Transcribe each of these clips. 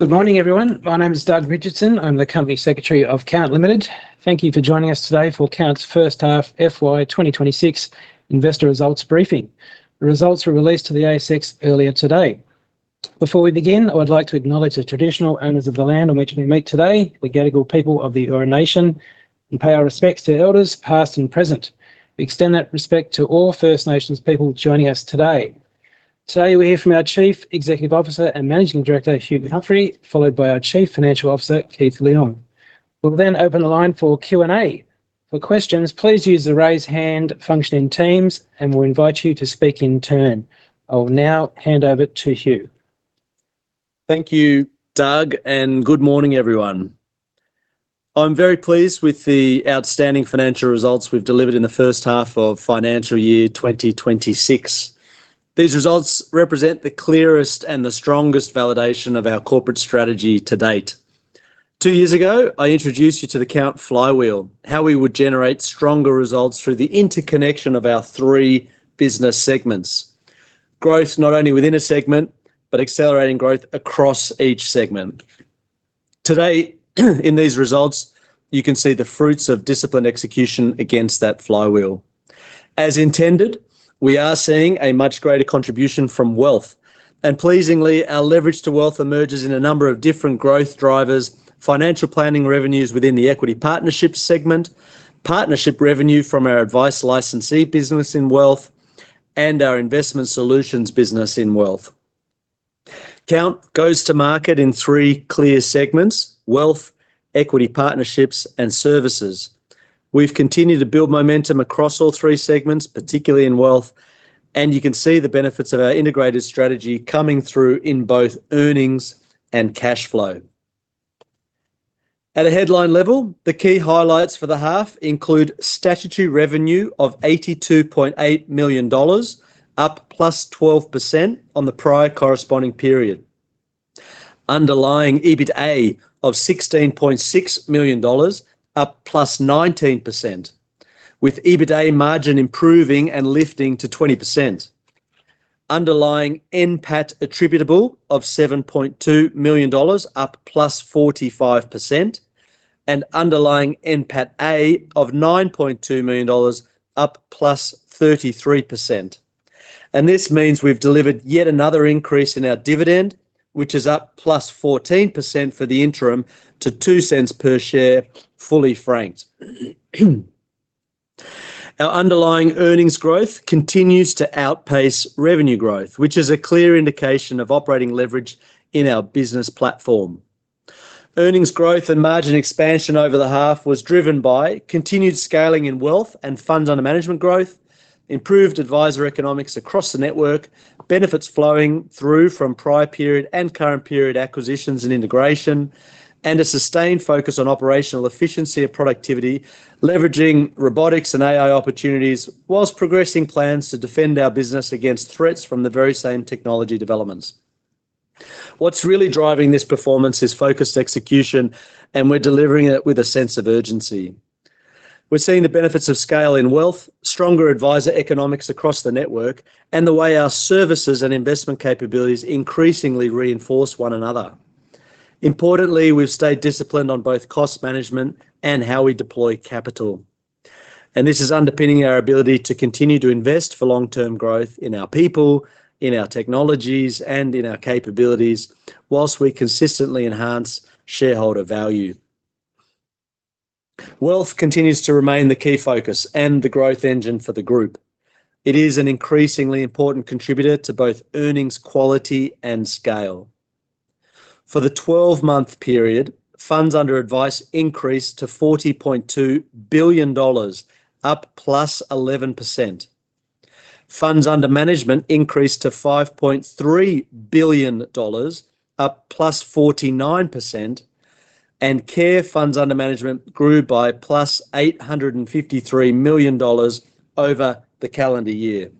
Good morning, everyone. My name is Doug Richardson. I'm the Company Secretary of Count Limited. Thank you for joining us today for Count's first half FY 2026 investor results briefing. The results were released to the ASX earlier today. Before we begin, I would like to acknowledge the traditional owners of the land on which we meet today, the Gadigal people of the Eora Nation, and pay our respects to elders, past and present. We extend that respect to all First Nations people joining us today. Today, we hear from our Chief Executive Officer and Managing Director, Hugh Humphrey, followed by our Chief Financial Officer, Keith Leung. We'll then open the line for Q&A. For questions, please use the Raise Hand function in Teams, and we'll invite you to speak in turn. I'll now hand over to Hugh. Thank you, Doug. Good morning, everyone. I'm very pleased with the outstanding financial results we've delivered in the first half of financial year 2026. These results represent the clearest and the strongest validation of our corporate strategy to date. Two years ago, I introduced you to the Count flywheel, how we would generate stronger results through the interconnection of our three business segments. Growth not only within a segment, but accelerating growth across each segment. Today, in these results, you can see the fruits of disciplined execution against that flywheel. As intended, we are seeing a much greater contribution from wealth, and pleasingly, our leverage to wealth emerges in a number of different growth drivers: financial planning revenues within the equity partnership segment, partnership revenue from our advice licensee business in wealth, and our investment solutions business in wealth. Count goes to market in three clear segments: wealth, equity partnerships, and services. We've continued to build momentum across all three segments, particularly in wealth, and you can see the benefits of our integrated strategy coming through in both earnings and cash flow. At a headline level, the key highlights for the half include statutory revenue of 82.8 million dollars, up +12% on the prior corresponding period. Underlying EBITA of 16.6 million dollars, up +19%, with EBITA margin improving and lifting to 20%. Underlying NPAT attributable of AUD 7.2 million, up +45%, and underlying NPATA of AUD 9.2 million, up +33%. This means we've delivered yet another increase in our dividend, which is up +14% for the interim to 0.02 per share, fully franked. Our underlying earnings growth continues to outpace revenue growth, which is a clear indication of operating leverage in our business platform. Earnings growth and margin expansion over the half was driven by continued scaling in wealth and funds under management growth, improved advisor economics across the network, benefits flowing through from prior period and current period acquisitions and integration, and a sustained focus on operational efficiency and productivity, leveraging robotics and AI opportunities, while progressing plans to defend our business against threats from the very same technology developments. What's really driving this performance is focused execution, and we're delivering it with a sense of urgency. We're seeing the benefits of scale in wealth, stronger advisor economics across the network, and the way our services and investment capabilities increasingly reinforce one another. Importantly, we've stayed disciplined on both cost management and how we deploy capital. This is underpinning our ability to continue to invest for long-term growth in our people, in our technologies, and in our capabilities, while we consistently enhance shareholder value. Wealth continues to remain the key focus and the growth engine for the group. It is an increasingly important contributor to both earnings, quality, and scale. For the 12-month period, funds under advice increased to 40.2 billion dollars, up +11%. Funds under management increased to 5.3 billion dollars, up +49%. Care funds under management grew by +853 million dollars over the calendar year.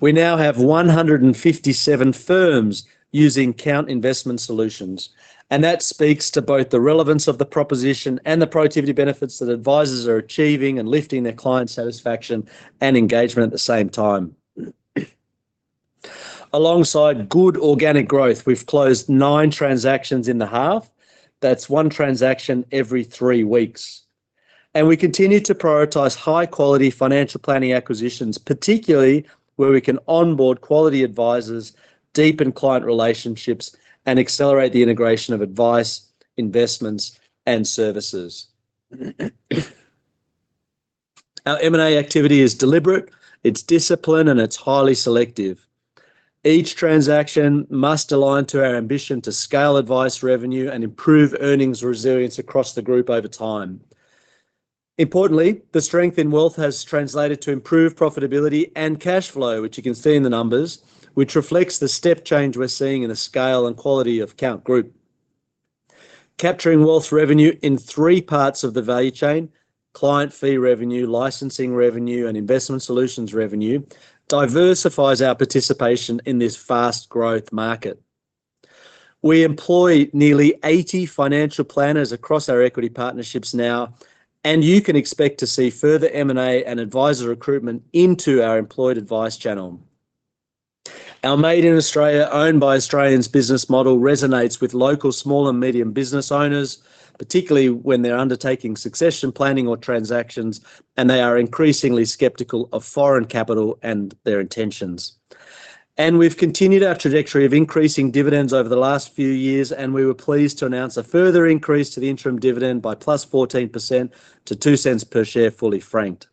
We now have 157 firms using Count Investment Solutions, That speaks to both the relevance of the proposition and the productivity benefits that advisors are achieving and lifting their client satisfaction and engagement at the same time. Alongside good organic growth, we've closed nine transactions in the half. That's one transaction every three weeks, We continue to prioritize high-quality financial planning acquisitions, particularly where we can onboard quality advisors, deepen client relationships, and accelerate the integration of advice, investments, and services. Our M&A activity is deliberate, it's disciplined, and it's highly selective. Each transaction must align to our ambition to scale advice revenue and improve earnings resilience across the group over time. Importantly, the strength in wealth has translated to improved profitability and cash flow, which you can see in the numbers, which reflects the step change we're seeing in the scale and quality of Count Group. Capturing wealth revenue in three parts of the value chain: client fee revenue, licensing revenue, and investment solutions revenue, diversifies our participation in this fast growth market. We employ nearly 80 financial planners across our equity partnerships now, and you can expect to see further M&A and advisor recruitment into our employed advice channel. Our made in Australia, owned by Australians business model resonates with local small and medium business owners, particularly when they're undertaking succession planning or transactions, and they are increasingly skeptical of foreign capital and their intentions. We've continued our trajectory of increasing dividends over the last few years, and we were pleased to announce a further increase to the interim dividend by +14% to 0.02 per share, fully franked.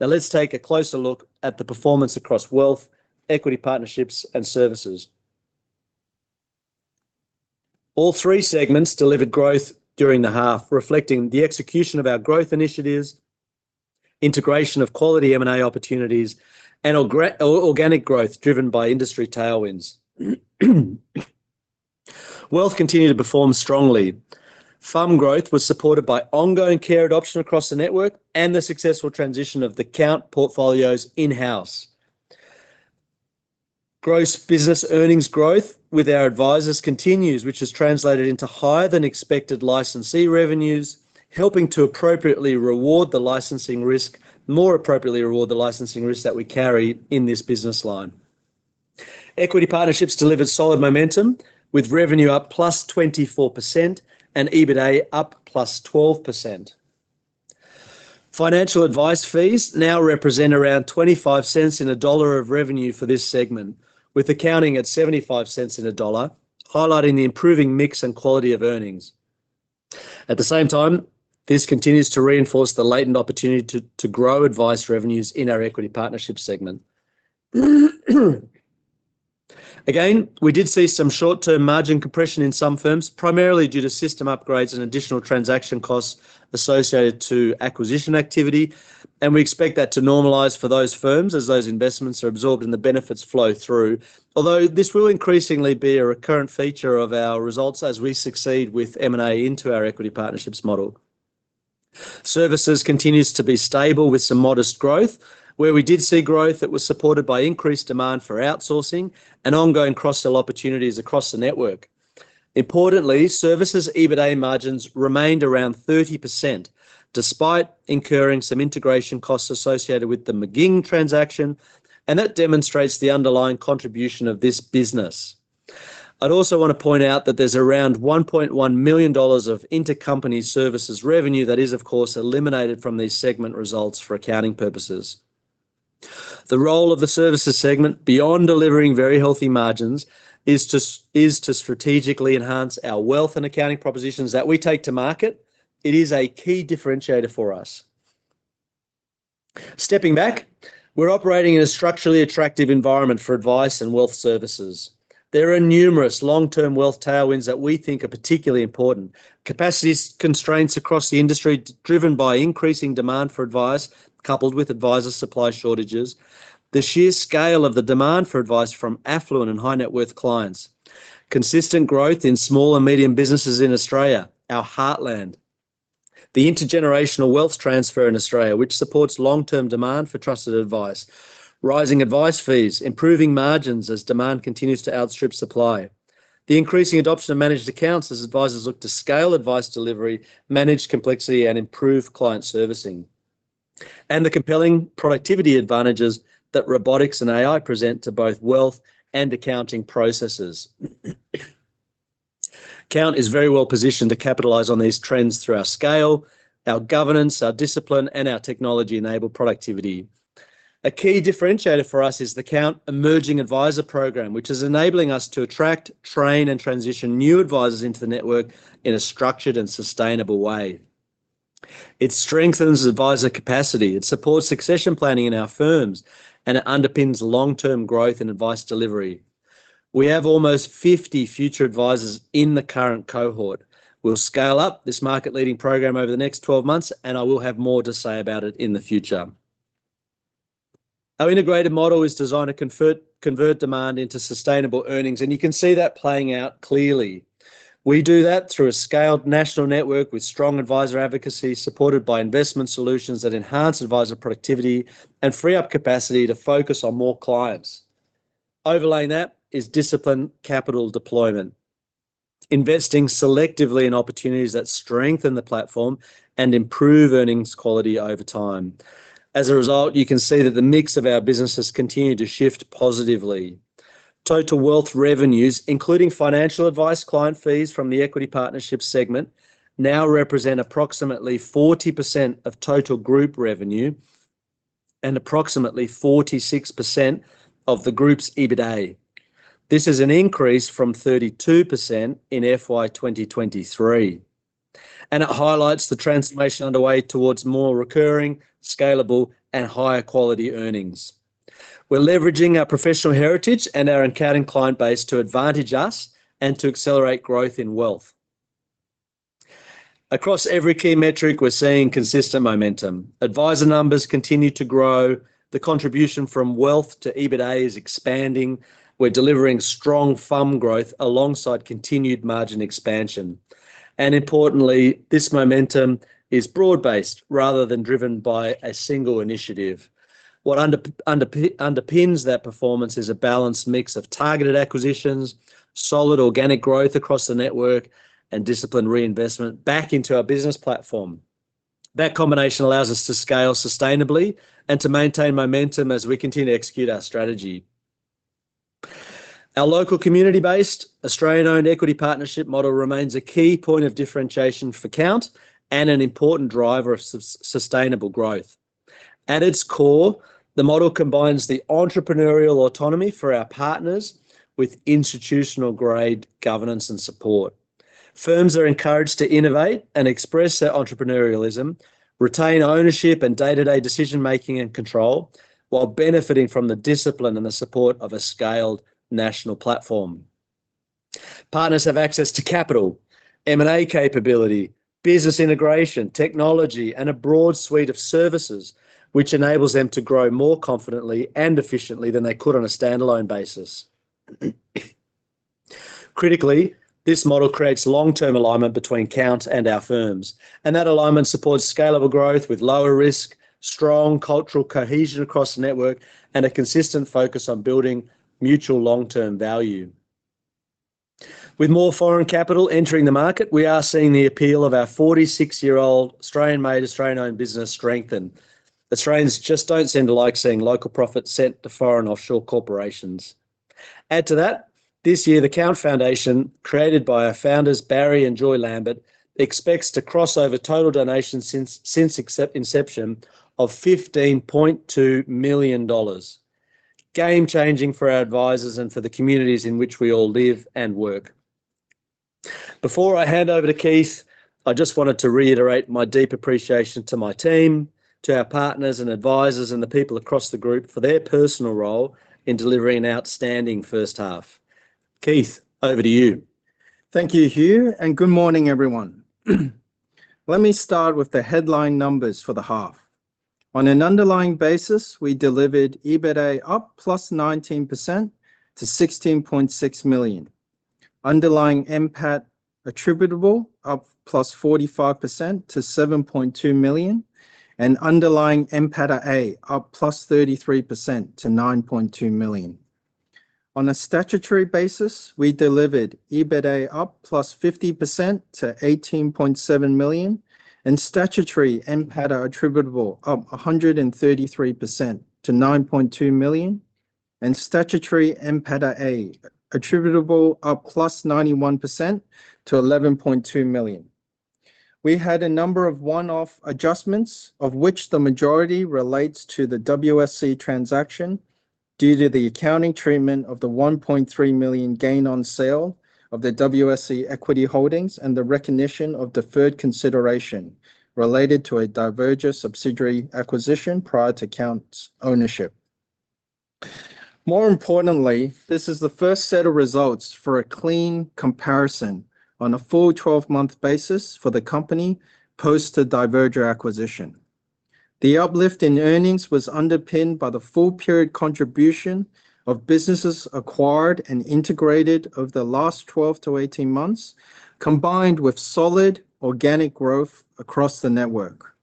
Now, let's take a closer look at the performance across Wealth, Equity Partnerships, and Services. All three segments delivered growth during the half, reflecting the execution of our growth initiatives, integration of quality M&A opportunities, and organic growth driven by industry tailwinds. Wealth continued to perform strongly. FUM growth was supported by ongoing care adoption across the network and the successful transition of the Count Portfolios in-house. Gross business earnings growth with our advisors continues, which has translated into higher than expected licensee revenues, helping to appropriately reward the licensing risk - more appropriately reward the licensing risk that we carry in this business line. Equity Partnerships delivered solid momentum, with revenue up +24% and EBITDA up +12%. Financial advice fees now represent around 0.25 in a dollar of revenue for this segment, with accounting at 0.75 in a dollar, highlighting the improving mix and quality of earnings. At the same time, this continues to reinforce the latent opportunity to, to grow advice revenues in our equity partnership segment. We did see some short-term margin compression in some firms, primarily due to system upgrades and additional transaction costs associated to acquisition activity, and we expect that to normalize for those firms as those investments are absorbed and the benefits flow through. This will increasingly be a recurrent feature of our results as we succeed with M&A into our equity partnerships model. Services continues to be stable with some modest growth, where we did see growth that was supported by increased demand for outsourcing and ongoing cross-sell opportunities across the network. Importantly, services EBITDA margins remained around 30% despite incurring some integration costs associated with the McGing transaction, and that demonstrates the underlying contribution of this business. I'd also want to point out that there's around 1.1 million dollars of intercompany services revenue that is, of course, eliminated from these segment results for accounting purposes. The role of the services segment, beyond delivering very healthy margins, is to strategically enhance our wealth and accounting propositions that we take to market. It is a key differentiator for us. Stepping back, we're operating in a structurally attractive environment for advice and wealth services. There are numerous long-term wealth tailwinds that we think are particularly important. Capacity constraints across the industry, driven by increasing demand for advice, coupled with advisor supply shortages. The sheer scale of the demand for advice from affluent and high-net-worth clients. Consistent growth in small and medium businesses in Australia, our heartland. The intergenerational wealth transfer in Australia, which supports long-term demand for trusted advice. Rising advice fees, improving margins as demand continues to outstrip supply. The increasing adoption of managed accounts as advisors look to scale advice delivery, manage complexity, and improve client servicing. The compelling productivity advantages that robotics and AI present to both wealth and accounting processes. Count is very well positioned to capitalize on these trends through our scale, our governance, our discipline, and our technology-enabled productivity. A key differentiator for us is the Count Emerging Advisor Program, which is enabling us to attract, train, and transition new advisors into the network in a structured and sustainable way. It strengthens advisor capacity, it supports succession planning in our firms, and it underpins long-term growth and advice delivery. We have almost 50 future advisors in the current cohort. We'll scale up this market-leading program over the next 12 months, and I will have more to say about it in the future. Our integrated model is designed to convert, convert demand into sustainable earnings, and you can see that playing out clearly. We do that through a scaled national network with strong advisor advocacy, supported by investment solutions that enhance advisor productivity and free up capacity to focus on more clients. Overlaying that is disciplined capital deployment, investing selectively in opportunities that strengthen the platform and improve earnings quality over time. As a result, you can see that the mix of our businesses continue to shift positively. Total wealth revenues, including financial advice, client fees from the equity partnership segment, now represent approximately 40% of total group revenue and approximately 46% of the group's EBITDA. This is an increase from 32% in FY 2023, and it highlights the transformation underway towards more recurring, scalable, and higher quality earnings. We're leveraging our professional heritage and our accounting client base to advantage us and to accelerate growth in wealth. Across every key metric, we're seeing consistent momentum. Advisor numbers continue to grow. The contribution from wealth to EBITDA is expanding. We're delivering strong FUM growth alongside continued margin expansion. Importantly, this momentum is broad-based rather than driven by a single initiative. What underpins that performance is a balanced mix of targeted acquisitions, solid organic growth across the network, and disciplined reinvestment back into our business platform. That combination allows us to scale sustainably and to maintain momentum as we continue to execute our strategy. Our local community-based, Australian-owned equity partnership model remains a key point of differentiation for Count and an important driver of sustainable growth. At its core, the model combines the entrepreneurial autonomy for our partners with institutional-grade governance and support. Firms are encouraged to innovate and express their entrepreneurialism, retain ownership and day-to-day decision-making and control, while benefiting from the discipline and the support of a scaled national platform. Partners have access to capital, M&A capability, business integration, technology, and a broad suite of services, which enables them to grow more confidently and efficiently than they could on a standalone basis. Critically, this model creates long-term alignment between Count and our firms, and that alignment supports scalable growth with lower risk, strong cultural cohesion across the network, and a consistent focus on building mutual long-term value. With more foreign capital entering the market, we are seeing the appeal of our 46-year-old Australian-made, Australian-owned business strengthen. Australians just don't seem to like seeing local profits sent to foreign offshore corporations. Add to that, this year, the Count Foundation, created by our founders, Barry and Joy Lambert, expects to cross over total donations since inception of 15.2 million dollars. Game changing for our advisors and for the communities in which we all live and work. Before I hand over to Keith, I just wanted to reiterate my deep appreciation to my team, to our partners and advisors, and the people across the group for their personal role in delivering an outstanding first half. Keith, over to you. Thank you, Hugh, and good morning, everyone. Let me start with the headline numbers for the half. On an underlying basis, we delivered EBITDA up +19% to 16.6 million. Underlying NPAT attributable up +45% to 7.2 million, and underlying NPATA A up +33% to 9.2 million. On a statutory basis, we delivered EBITDA up +50% to 18.7 million, and statutory NPATA attributable up 133% to 9.2 million, and statutory NPATA A attributable up +91% to 11.2 million. We had a number of one-off adjustments, of which the majority relates to the WSC transaction due to the accounting treatment of the 1.3 million gain on sale of the WSC equity holdings and the recognition of deferred consideration related to a Diverger subsidiary acquisition prior to Count's ownership. More importantly, this is the first set of results for a clean comparison on a full 12-month basis for the company post the Diverger acquisition. The uplift in earnings was underpinned by the full period contribution of businesses acquired and integrated over the last 12-18 months, combined with solid organic growth across the network.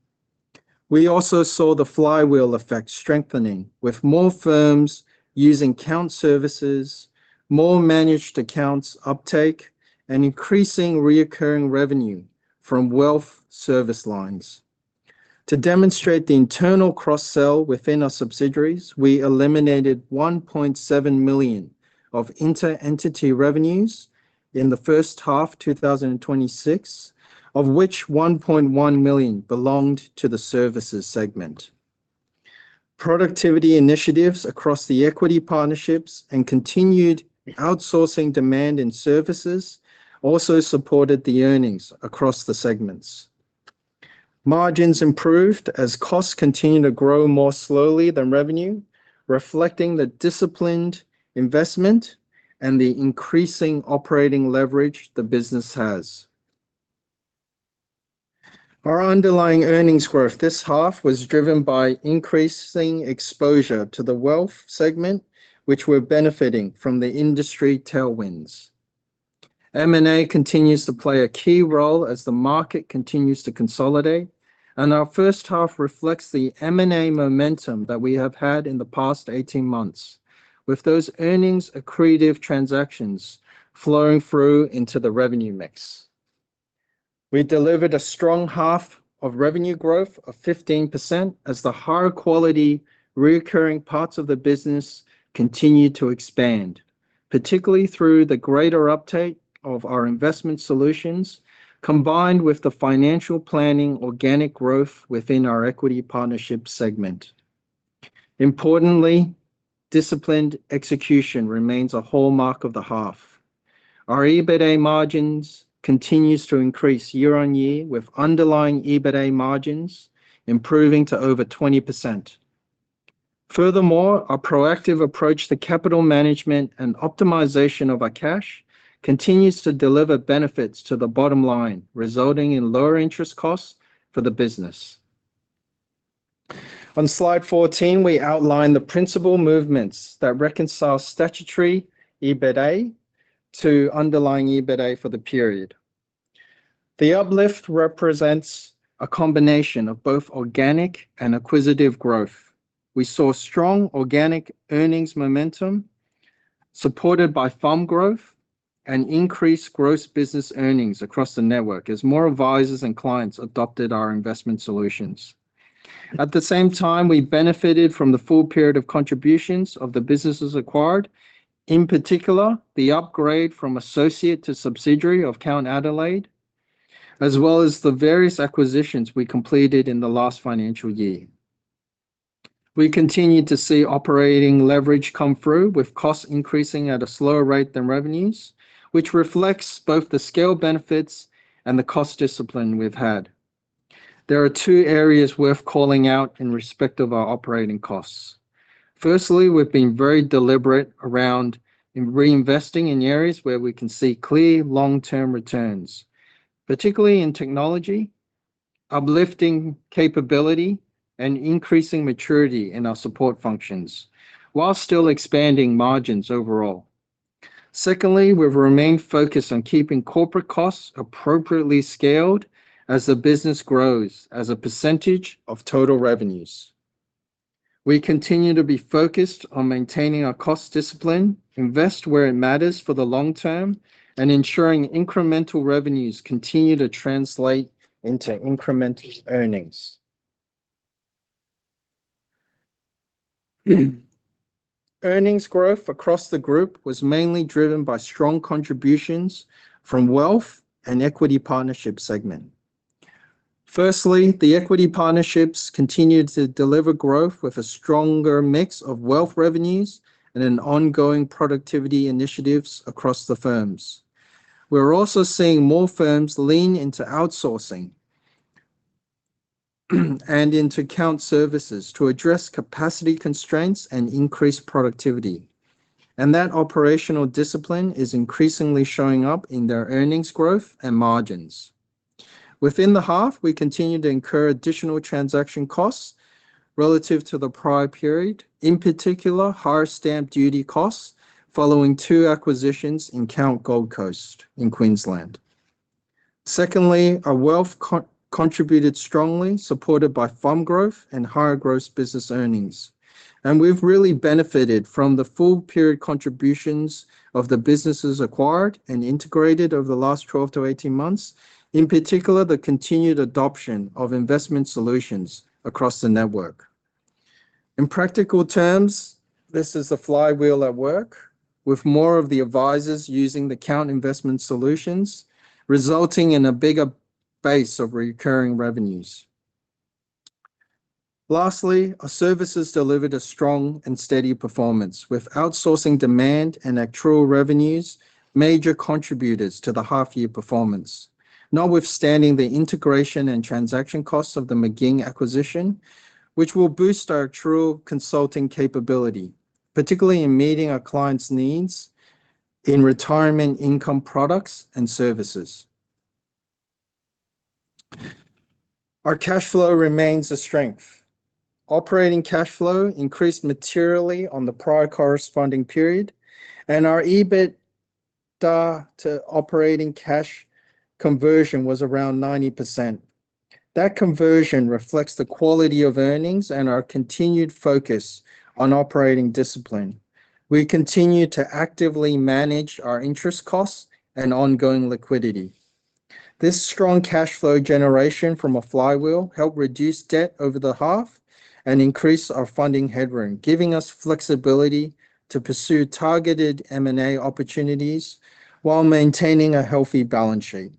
We also saw the flywheel effect strengthening, with more firms using Count services, more managed accounts uptake, and increasing reoccurring revenue from wealth service lines. To demonstrate the internal cross-sell within our subsidiaries, we eliminated 1.7 million of inter-entity revenues in the first half 2026, of which 1.1 million belonged to the services segment. Productivity initiatives across the equity partnerships and continued outsourcing demand in services also supported the earnings across the segments. Margins improved as costs continued to grow more slowly than revenue, reflecting the disciplined investment and the increasing operating leverage the business has. Our underlying earnings growth this half was driven by increasing exposure to the wealth segment, which we're benefiting from the industry tailwinds. M&A continues to play a key role as the market continues to consolidate, and our first half reflects the M&A momentum that we have had in the past 18 months, with those earnings-accretive transactions flowing through into the revenue mix. We delivered a strong half of revenue growth of 15% as the higher quality recurring parts of the business continued to expand, particularly through the greater uptake of our investment solutions, combined with the financial planning organic growth within our equity partnership segment. Importantly, disciplined execution remains a hallmark of the half. Our EBITDA margins continues to increase year-over-year, with underlying EBITDA margins improving to over 20%. Furthermore, our proactive approach to capital management and optimization of our cash continues to deliver benefits to the bottom line, resulting in lower interest costs for the business. On Slide 14, we outline the principal movements that reconcile statutory EBITDA to underlying EBITDA for the period. The uplift represents a combination of both organic and acquisitive growth. We saw strong organic earnings momentum. supported by firm growth and increased gross business earnings across the network as more advisors and clients adopted our investment solutions. At the same time, we benefited from the full period of contributions of the businesses acquired, in particular, the upgrade from associate to subsidiary of Count Adelaide, as well as the various acquisitions we completed in the last financial year. We continued to see operating leverage come through, with costs increasing at a slower rate than revenues, which reflects both the scale benefits and the cost discipline we've had. There are two areas worth calling out in respect of our operating costs. Firstly, we've been very deliberate around in reinvesting in areas where we can see clear long-term returns, particularly in technology, uplifting capability, and increasing maturity in our support functions, while still expanding margins overall. Secondly, we've remained focused on keeping corporate costs appropriately scaled as the business grows as a percentage of total revenues. We continue to be focused on maintaining our cost discipline, invest where it matters for the long term, and ensuring incremental revenues continue to translate into incremental earnings. Earnings growth across the group was mainly driven by strong contributions from wealth and equity partnership segment. Firstly, the equity partnerships continued to deliver growth with a stronger mix of wealth revenues and an ongoing productivity initiatives across the firms. We're also seeing more firms lean into outsourcing, and into Count services to address capacity constraints and increase productivity. That operational discipline is increasingly showing up in their earnings growth and margins. Within the half, we continued to incur additional transaction costs relative to the prior period, in particular, higher stamp duty costs following two acquisitions in Count Gold Coast in Queensland. Secondly, our wealth co- contributed strongly, supported by firm growth and higher gross business earnings, and we've really benefited from the full period contributions of the businesses acquired and integrated over the last 12-18 months, in particular, the continued adoption of investment solutions across the network. In practical terms, this is the flywheel at work, with more of the advisors using the Count Investment Solutions, resulting in a bigger base of recurring revenues. Lastly, our services delivered a strong and steady performance, with outsourcing demand and actuarial revenues major contributors to the half-year performance. Notwithstanding the integration and transaction costs of the McGing acquisition, which will boost our true consulting capability, particularly in meeting our clients' needs in retirement income products and services. Our cash flow remains a strength. Operating cash flow increased materially on the prior corresponding period, and our EBITDA to operating cash conversion was around 90%. That conversion reflects the quality of earnings and our continued focus on operating discipline. We continue to actively manage our interest costs and ongoing liquidity. This strong cash flow generation from a flywheel helped reduce debt over the half and increased our funding headroom, giving us flexibility to pursue targeted M&A opportunities while maintaining a healthy balance sheet.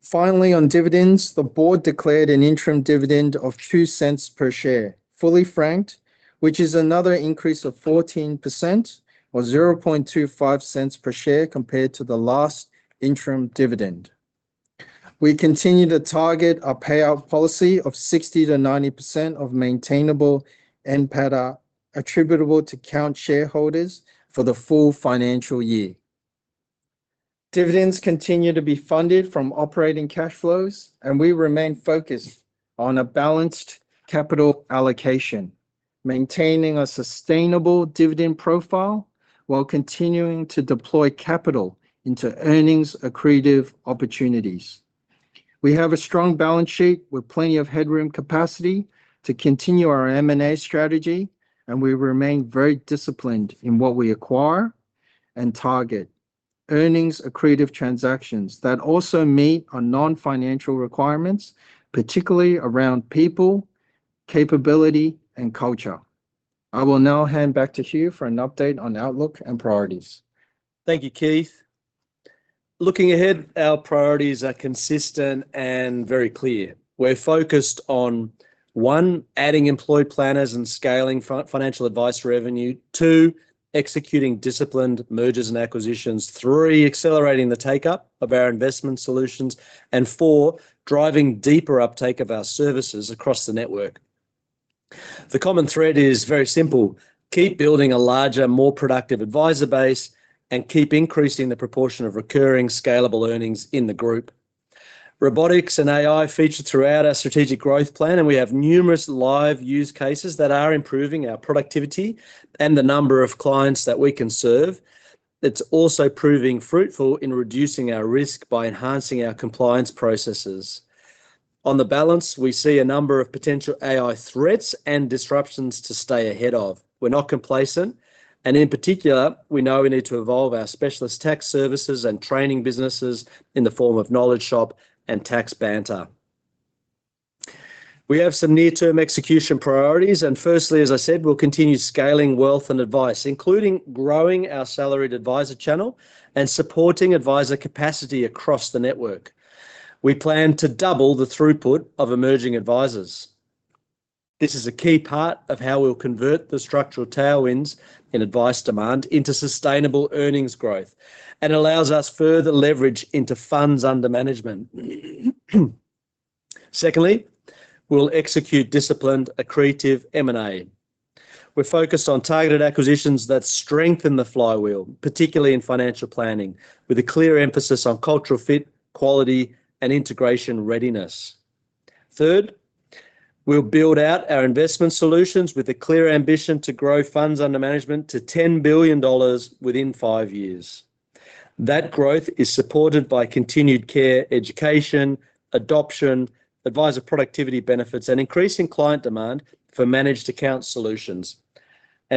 Finally, on dividends, the board declared an interim dividend of 0.02 per share, fully franked, which is another increase of 14% or 0.0025 per share compared to the last interim dividend. We continue to target our payout policy of 60%-90% of maintainable NPATA attributable to Count shareholders for the full financial year. Dividends continue to be funded from operating cash flows. We remain focused on a balanced capital allocation, maintaining a sustainable dividend profile while continuing to deploy capital into earnings accretive opportunities. We have a strong balance sheet with plenty of headroom capacity to continue our M&A strategy. We remain very disciplined in what we acquire and target earnings accretive transactions that also meet our non-financial requirements, particularly around people, capability, and culture. I will now hand back to Hugh for an update on outlook and priorities. Thank you, Keith. Looking ahead, our priorities are consistent and very clear. We're focused on, one, adding employed planners and scaling financial advice revenue, two, executing disciplined mergers and acquisitions, three, accelerating the takeup of our investment solutions, and four, driving deeper uptake of our services across the network. The common thread is very simple: keep building a larger, more productive advisor base, and keep increasing the proportion of recurring, scalable earnings in the group. Robotics and AI feature throughout our strategic growth plan, and we have numerous live use cases that are improving our productivity and the number of clients that we can serve. It's also proving fruitful in reducing our risk by enhancing our compliance processes. On the balance, we see a number of potential AI threats and disruptions to stay ahead of. We're not complacent, in particular, we know we need to evolve our specialist tax services and training businesses in the form of Knowledge Shop and TaxBanter. We have some near-term execution priorities, firstly, as I said, we'll continue scaling wealth and advice, including growing our salaried advisor channel and supporting advisor capacity across the network. We plan to double the throughput of emerging advisors. This is a key part of how we'll convert the structural tailwinds in advice demand into sustainable earnings growth and allows us further leverage into funds under management. Secondly, we'll execute disciplined, accretive M&A. We're focused on targeted acquisitions that strengthen the flywheel, particularly in financial planning, with a clear emphasis on cultural fit, quality, and integration readiness. Third, we'll build out our investment solutions with a clear ambition to grow funds under management to 10 billion dollars within five years. That growth is supported by continued care, education, adoption, advisor productivity benefits, and increasing client demand for managed account solutions.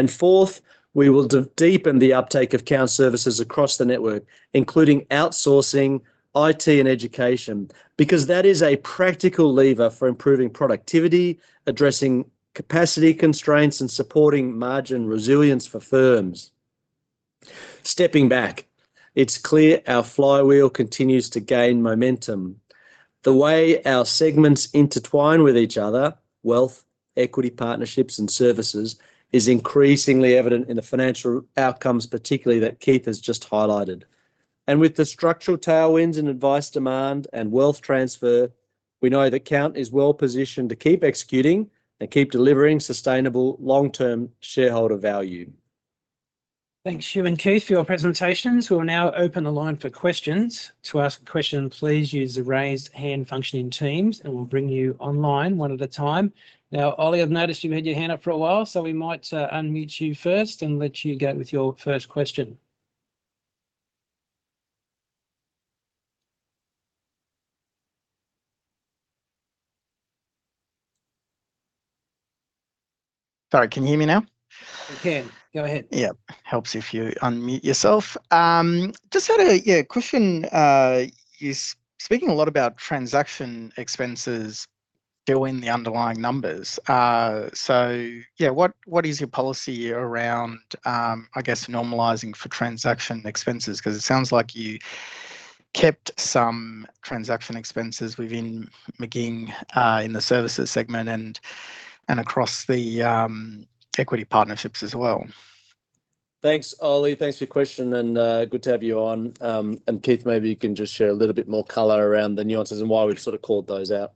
Fourth, we will deepen the uptake of Count services across the network, including outsourcing, IT, and education, because that is a practical lever for improving productivity, addressing capacity constraints, and supporting margin resilience for firms. Stepping back, it's clear our flywheel continues to gain momentum. The way our segments intertwine with each other, wealth, equity, partnerships, and services, is increasingly evident in the financial outcomes, particularly that Keith has just highlighted. With the structural tailwinds in advice, demand, and wealth transfer, we know that Count is well positioned to keep executing and keep delivering sustainable long-term shareholder value. Thanks, Hugh and Keith, for your presentations. We'll now open the line for questions. To ask a question, please use the Raise Hand function in Teams, and we'll bring you online one at a time. Ollie, I've noticed you've had your hand up for a while, so we might unmute you first and let you go with your first question. Sorry, can you hear me now? We can. Go ahead. Yeah. Helps if you unmute yourself. Just had a question, you're speaking a lot about transaction expenses during the underlying numbers. What, what is your policy around, I guess, normalising for transaction expenses? 'Cause it sounds like you kept some transaction expenses within McGing, in the services segment and across the equity partnerships as well. Thanks, Ollie. Thanks for your question, and good to have you on. Keith, maybe you can just share a little bit more color around the nuances and why we've sort of called those out.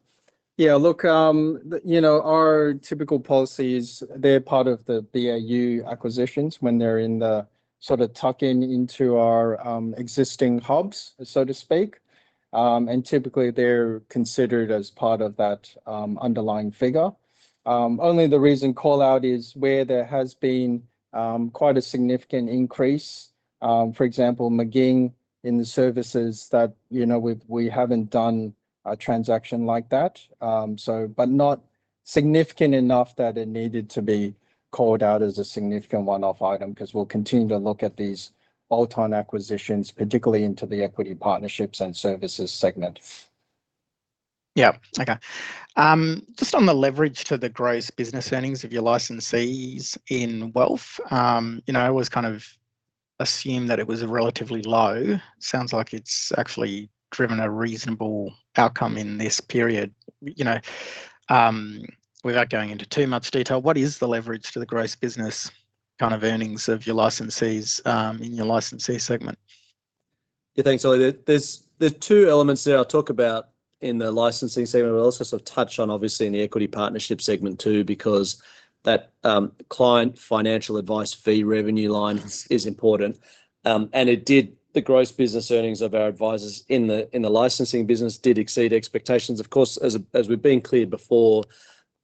Yeah, look, you know, our typical policies, they're part of the BAU acquisitions when they're in the sort of tucking into our existing hubs, so to speak. Typically, they're considered as part of that underlying figure. Only the reason call out is where there has been quite a significant increase. For example, McGing, in the services that, you know, we've, we haven't done a transaction like that. But not significant enough that it needed to be called out as a significant one-off item, 'cause we'll continue to look at these bolt-on acquisitions, particularly into the equity partnerships and services segment. Yeah. Okay. Just on the leverage to the gross business earnings of your licensees in wealth, you know, I always kind of assumed that it was relatively low. Sounds like it's actually driven a reasonable outcome in this period. You know, without going into too much detail, what is the leverage to the gross business, kind of, earnings of your licensees, in your licensee segment? Yeah, thanks, Ollie. There, there are two elements there I'll talk about in the licensing segment. We'll also sort of touch on, obviously, in the equity partnership segment, too, because that client financial advice fee revenue line is important. The gross business earnings of our advisors in the licensing business did exceed expectations. Of course, as we've been clear before,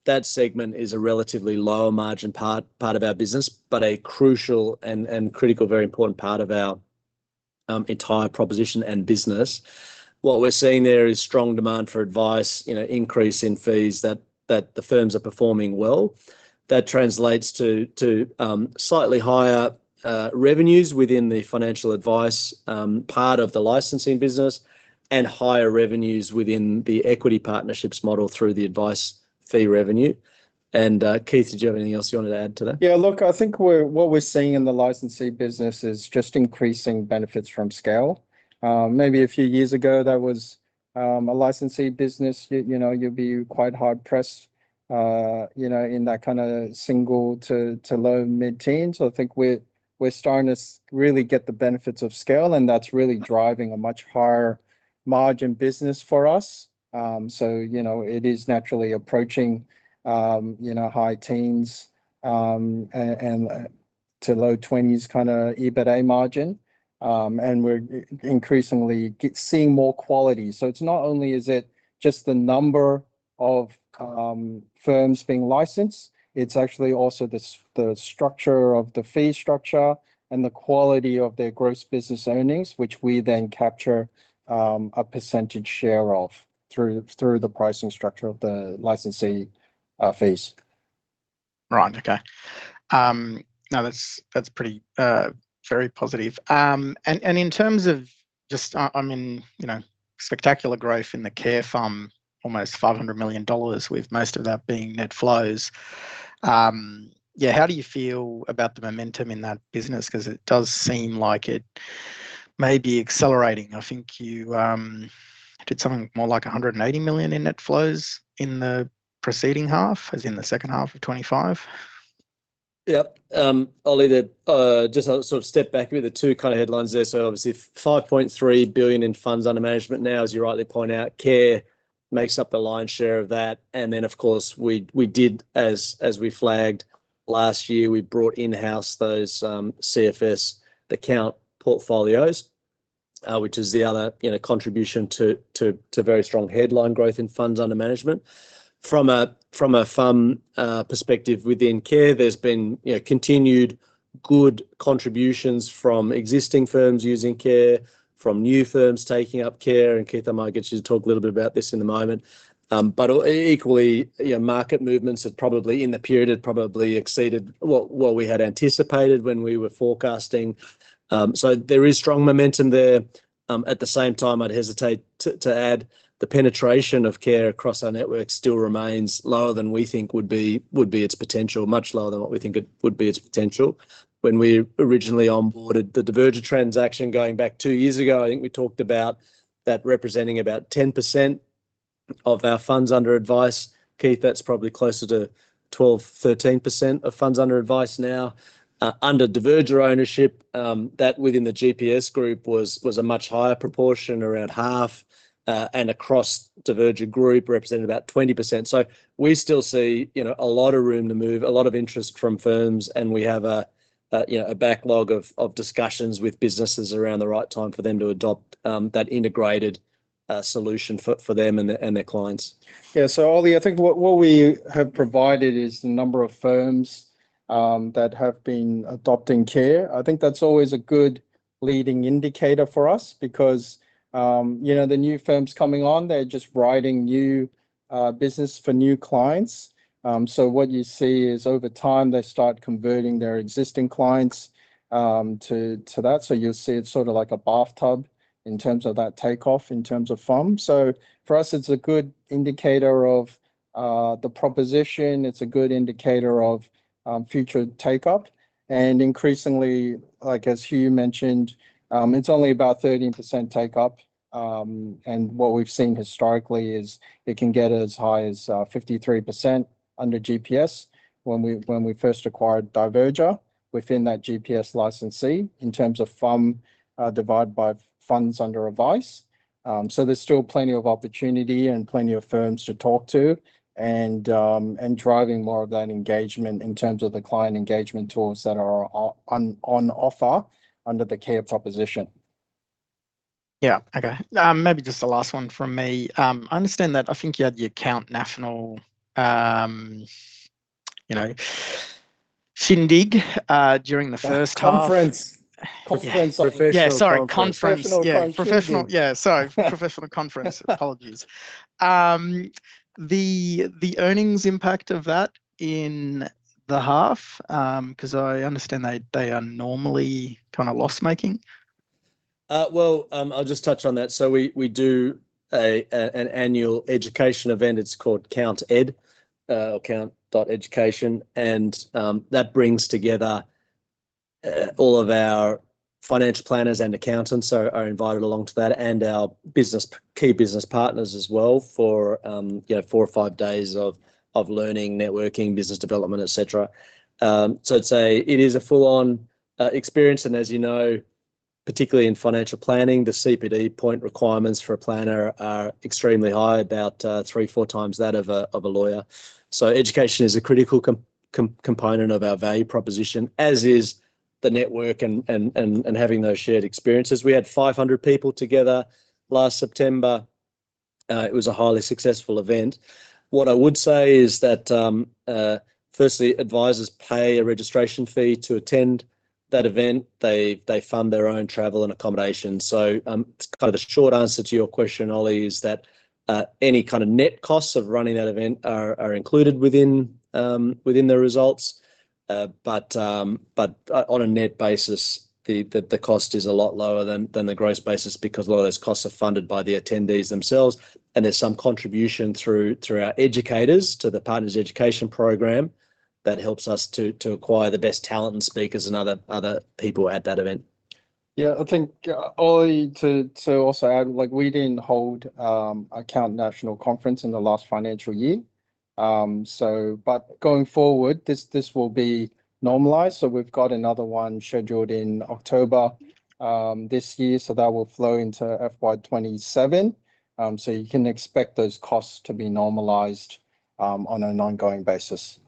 that segment is a relatively lower margin part of our business, but a crucial and critical, very important part of our entire proposition and business. What we're seeing there is strong demand for advice, you know, increase in fees, that the firms are performing well. That translates to slightly higher revenues within the financial advice part of the licensing business, and higher revenues within the equity partnerships model through the advice fee revenue. Keith, did you have anything else you wanted to add to that? Yeah, look, I think we're, what we're seeing in the licensee business is just increasing benefits from scale. Maybe a few years ago, there was a licensee business, you know, you'd be quite hard pressed, you know, in that kind of single to low mid-teens. I think we're, we're starting to really get the benefits of scale, and that's really driving a much higher margin business for us. You know, it is naturally approaching, you know, high teens and to low twenties, kind of, EBITDA margin. We're increasingly seeing more quality. It's not only is it just the number of firms being licensed. It's actually also the the structure of the fee structure and the quality of their gross business earnings, which we then capture, a percentage share of through, through the pricing structure of the licensee, fees. Right, okay. Now, that's, that's pretty, very positive. In terms of just, I, I mean, you know, spectacular growth in the care firm, almost $500 million, with most of that being net flows. Yeah, how do you feel about the momentum in that business? 'Cause it does seem like it may be accelerating. I think you did something more like 180 million in net flows in the preceding half, as in the second half of 2025. Yep. I'll either, just sort of step back a bit, the two kind of headlines there. Obviously, 5.3 billion in funds under management now, as you rightly point out, care makes up the lion's share of that, and then, of course, we, we did as, as we flagged last year, we brought in-house those, CFS, the Count Portfolios, which is the other, you know, contribution to, to, to very strong headline growth in funds under management. From a, from a FUM, perspective within care, there's been, you know, continued good contributions from existing firms using care, from new firms taking up care, and Keith, I might get you to talk a little bit about this in a moment. Equally, you know, market movements have probably, in the period, have probably exceeded what, what we had anticipated when we were forecasting. There is strong momentum there. At the same time, I'd hesitate, the penetration of Care across our network still remains lower than we think would be its potential, much lower than what we think it would be its potential. When we originally onboarded the Diverger transaction going back two years ago, I think we talked about that representing about 10% of our funds under advice. Keith, that's probably closer to 12%-13% of funds under advice now under Diverger ownership. That within the GPS group was a much higher proportion, around 50%, and across Diverger Group, represented about 20%. We still see, you know, a lot of room to move, a lot of interest from firms, and we have a, a, you know, a backlog of, of discussions with businesses around the right time for them to adopt that integrated solution for, for them and their, and their clients. Ollie, I think what, what we have provided is the number of firms, that have been adopting Care. I think that's always a good leading indicator for us because, you know, the new firms coming on, they're just writing new business for new clients. What you see is, over time, they start converting their existing clients, to, to that. You'll see it's sort of like a bathtub in terms of that takeoff, in terms of FUM. For us, it's a good indicator of the proposition, it's a good indicator of future take-up, and increasingly, like, as Hugh mentioned, it's only about 13% take-up. What we've seen historically is it can get as high as 53% under GPS when we, when we first acquired Diverger within that GPS licensee in terms of FUM divided by funds under advice. There's still plenty of opportunity and plenty of firms to talk to, and driving more of that engagement in terms of the client engagement tools that are on, on offer under the care proposition. Yeah. Okay, maybe just the last one from me. I understand that I think you had the Count National, you know, shindig, during the first half. Conference. Conference professional. Yeah, sorry, conference. Professional conference. Yeah, professional, yeah, sorry. professional conference. Apologies. The, the earnings impact of that in the half, 'cause I understand they, they are normally kind of loss-making. Well, I'll just touch on that. We do an annual education event. It's called Count Ed, or Count Education, and that brings together all of our financial planners and accountants are invited along to that, and our key business partners as well, for, you know, four or five days of learning, networking, business development, et cetera. It's a, it is a full-on experience, and as you know, particularly in financial planning, the CPD point requirements for a planner are extremely high, about three, four times that of a lawyer. Education is a critical component of our value proposition, as is the network and, and, and, and having those shared experiences. We had 500 people together last September. It was a highly successful event. What I would say is that, firstly, advisors pay a registration fee to attend that event. They, they fund their own travel and accommodation. Kind of the short answer to your question, Ollie, is that any kind of net costs of running that event are included within the results. On a net basis, the cost is a lot lower than the gross basis because a lot of those costs are funded by the attendees themselves, and there's some contribution through our educators to the partners' education program that helps us to acquire the best talent and speakers and other people at that event. Yeah, I think, Ollie, to, to also add, like, we didn't hold, Count National Conference in the last financial year. Going forward, this, this will be normalized, so we've got another one scheduled in October, this year, so that will flow into FY 2027. You can expect those costs to be normalized, on an ongoing basis.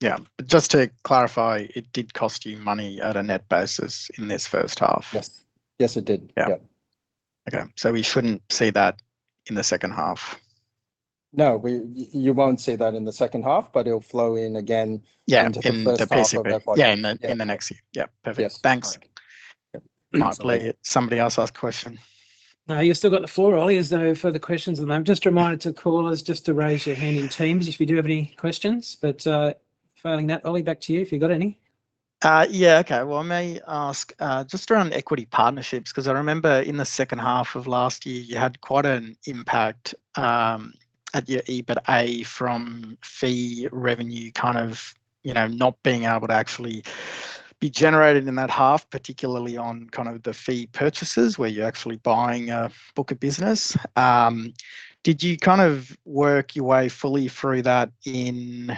Yeah, just to clarify, it did cost you money at a net basis in this first half? Yes. Yes, it did. Yeah. Yeah. Okay, we shouldn't see that in the second half? No, we, you won't see that in the second half, but it'll flow in again. Yeah, in, basically. into the first half of that budget. Yeah, in the, in the next year. Yeah. Yeah. Perfect. Thanks. Yeah. Might let somebody else ask a question. No, you've still got the floor, Ollie. As no further questions. I'm just a reminder to callers just to raise your hand in Teams if you do have any questions. Failing that, Ollie, back to you, if you've got any. Yeah, okay. Well, I may ask, just around equity partnerships, 'cause I remember in the second half of last year, you had quite an impact, at your EBITA from fee revenue, kind of, you know, not being able to actually be generated in that half, particularly on kind of the fee purchases, where you're actually buying a book of business. Did you kind of work your way fully through that in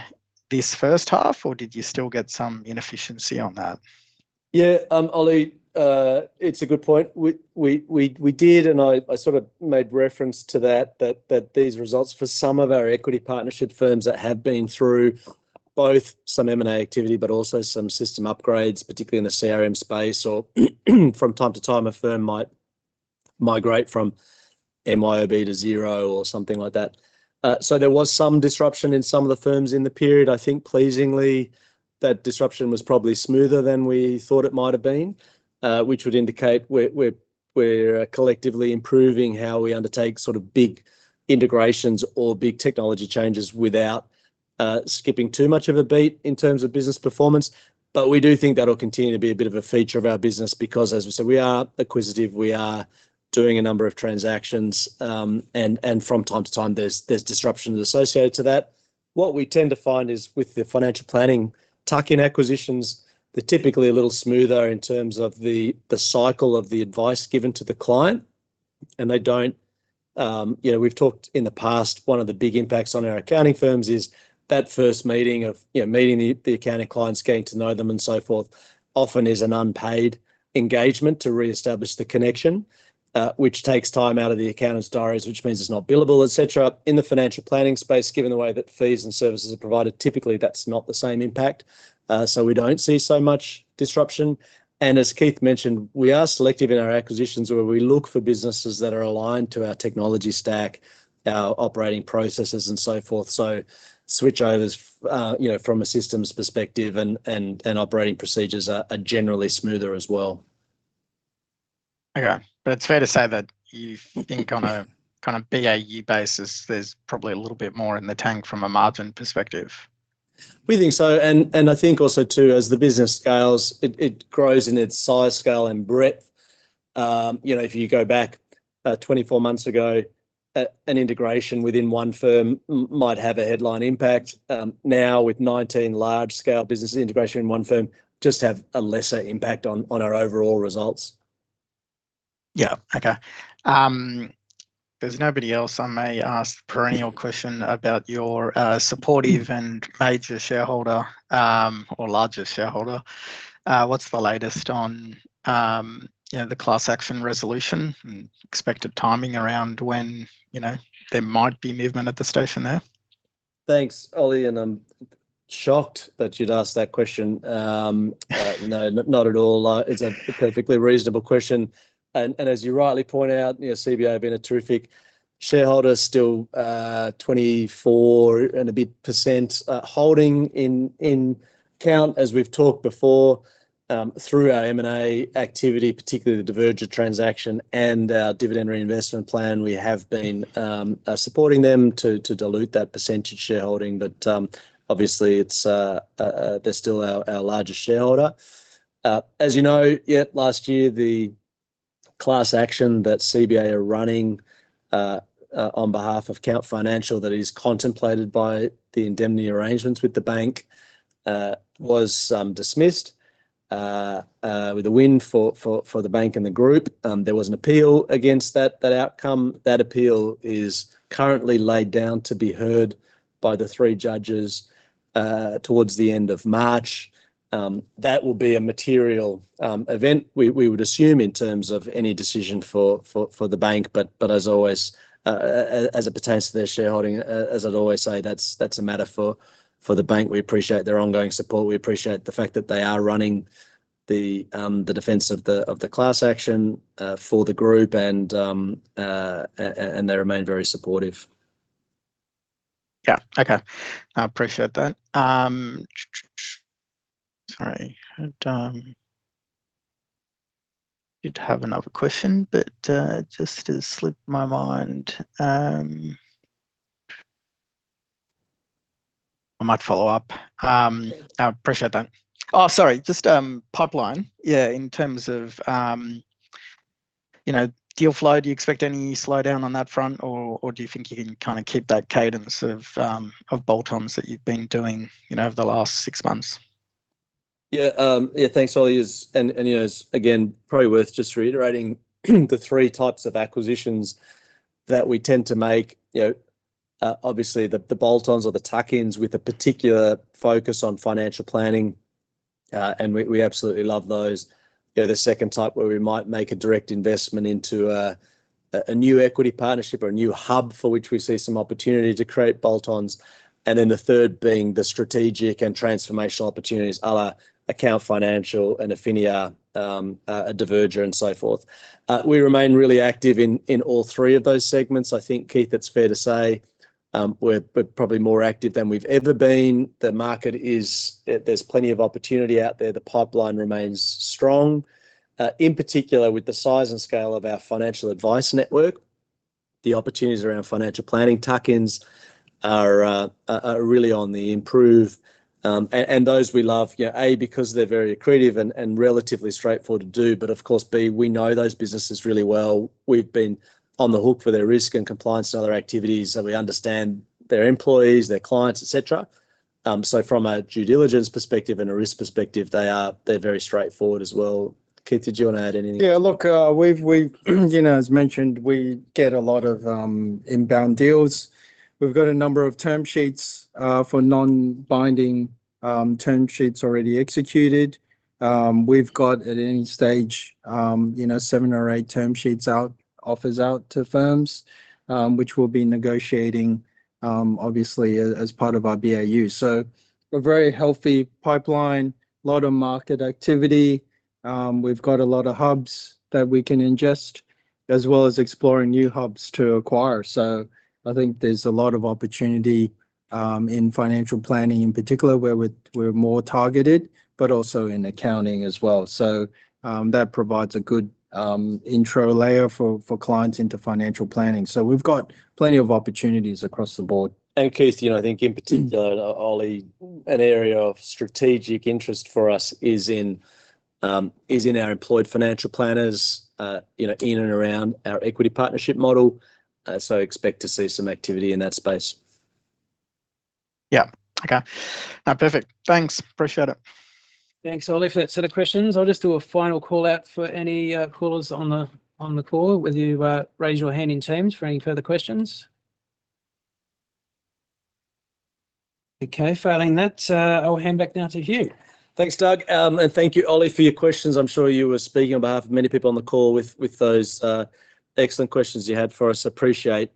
this first half, or did you still get some inefficiency on that? Yeah, Ollie, it's a good point. We, we, we, we did, and I, I sort of made reference to that, that, that these results for some of our equity partnership firms that have been through both some M&A activity, but also some system upgrades, particularly in the CRM space, or from time to time, a firm might migrate from MYOB to Xero or something like that. There was some disruption in some of the firms in the period. I think pleasingly, that disruption was probably smoother than we thought it might have been, which would indicate we're, we're, we're collectively improving how we undertake sort of big integrations or big technology changes without skipping too much of a beat in terms of business performance. We do think that'll continue to be a bit of a feature of our business, because, as we said, we are acquisitive, we are doing a number of transactions, and from time to time, there's disruptions associated to that. What we tend to find is, with the financial planning tuck-in acquisitions, they're typically a little smoother in terms of the cycle of the advice given to the client, and they don't. You know, we've talked in the past, one of the big impacts on our accounting firms is that first meeting of, you know, meeting the accounting clients, getting to know them, and so forth, often is an unpaid engagement to reestablish the connection, which takes time out of the accountant's diaries, which means it's not billable, et cetera. In the financial planning space, given the way that fees and services are provided, typically that's not the same impact, so we don't see so much disruption. As Keith mentioned, we are selective in our acquisitions, where we look for businesses that are aligned to our technology stack, our operating processes, and so forth. Switch overs, you know, from a systems perspective and, and, and operating procedures are, are generally smoother as well. Okay, it's fair to say that you think on a kind of BAU basis, there's probably a little bit more in the tank from a margin perspective? We think so, and I think also, too, as the business scales, it, it grows in its size, scale, and breadth. you know, if you go back, 24 months ago, an integration within one firm might have a headline impact. now, with 19 large-scale business integration in one firm, just have a lesser impact on, on our overall results. Yeah. Okay. If there's nobody else, I may ask perennial question about your supportive and major shareholder, or largest shareholder. What's the latest on, you know, the class action resolution and expected timing around when, you know, there might be movement at the station there? Thanks, Ollie, I'm shocked that you'd ask that question. No, not, not at all. It's a perfectly reasonable question. As you rightly point out, you know, CBA have been a terrific shareholder, still, 24 and a bit % holding in Count, as we've talked before, through our M&A activity, particularly the Diverger transaction and our dividend reinvestment plan. We have been supporting them to, to dilute that percentage shareholding, obviously, it's they're still our, our largest shareholder. As you know, yet last year, the class action that CBA are running on behalf of Count Financial, that is contemplated by the indemnity arrangements with the bank, was dismissed with a win for, for, for the bank and the group. There was an appeal against that, that outcome. That appeal is currently laid down to be heard by the three judges towards the end of March. That will be a material event, we, we would assume, in terms of any decision for, for, for the bank. But as always, as it pertains to their shareholding, as I'd always say, that's, that's a matter for, for the bank. We appreciate their ongoing support. We appreciate the fact that they are running the defense of the class action for the group and they remain very supportive. Yeah. Okay. I appreciate that. Sorry. Had, did have another question, but, it just has slipped my mind. I might follow up. I appreciate that. Oh, sorry, just, pipeline. Yeah, in terms of, you know, deal flow, do you expect any slowdown on that front, or, or do you think you can kind of keep that cadence of bolt-ons that you've been doing, you know, over the last six months? Yeah, thanks, Ollie. Is... you know, again, probably worth just reiterating the three types of acquisitions that we tend to make. You know, and we, we absolutely love those. You know, obviously, the, the bolt-ons or the tuck-ins, with a particular focus on financial planning, and we, we absolutely love those. You know, the second type, where we might make a direct investment into a, a, a new equity partnership or a new hub for which we see some opportunity to create bolt-ons, and then the third being the strategic and transformational opportunities, à la Count Financial and Affinia, Diverger and so forth. We remain really active in, in all three of those segments. I think, Keith, it's fair to say, we're, we're probably more active than we've ever been. The market is... There, there's plenty of opportunity out there. The pipeline remains strong. In particular, with the size and scale of our financial advice network, the opportunities around financial planning tack-ins are really on the improve. Those we love, you know, A, because they're very accretive and relatively straightforward to do, but, of course, B, we know those businesses really well. We've been on the hook for their risk and compliance and other activities, so we understand their employees, their clients, et cetera. From a due diligence perspective and a risk perspective, they're very straightforward as well. Keith, did you want to add anything? Yeah, look, we've, we've, you know, as mentioned, we get a lot of inbound deals. We've got a number of term sheets for non-binding term sheets already executed. We've got, at any stage, you know, seven or eight term sheets out, offers out to firms, which we'll be negotiating, obviously, as, as part of our BAU. A very healthy pipeline, a lot of market activity. We've got a lot of hubs that we can ingest, as well as exploring new hubs to acquire. I think there's a lot of opportunity in financial planning, in particular, where we're, we're more targeted, but also in accounting as well. That provides a good intro layer for clients into financial planning. We've got plenty of opportunities across the board. Keith, you know, I think in particular, Oli, an area of strategic interest for us is in, is in our employed financial planners, you know, in and around our equity partnership model, so expect to see some activity in that space. Yeah. Okay. Perfect. Thanks. Appreciate it. Thanks, Oli, for that set of questions. I'll just do a final call-out for any callers on the, on the call, whether you raise your hand in Teams for any further questions. Okay, failing that, I'll hand back now to Hugh. Thanks, Doug. And thank you, Oli, for your questions. I'm sure you were speaking on behalf of many people on the call with those excellent questions you had for us. Appreciate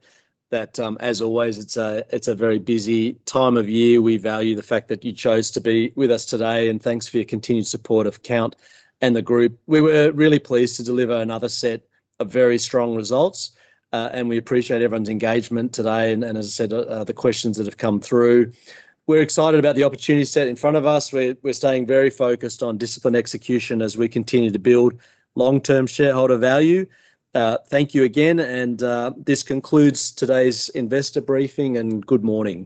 that. As always, it's a very busy time of year. We value the fact that you chose to be with us today, and thanks for your continued support of Count and the group. We were really pleased to deliver another set of very strong results, and we appreciate everyone's engagement today and as I said, the questions that have come through. We're excited about the opportunity set in front of us. We're staying very focused on disciplined execution as we continue to build long-term shareholder value. Thank you again, this concludes today's investor briefing. Good morning.